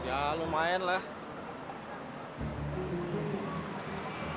ya lumayan lah